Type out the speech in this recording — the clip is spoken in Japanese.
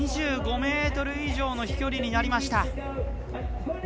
２５ｍ以上の飛距離になりました。